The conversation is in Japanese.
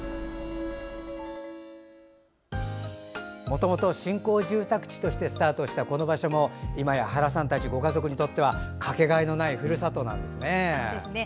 もともと新興住宅地としてスタートしたこの場所もいまや原さんたちご家族にとってはかけがえのないふるさとなんですね。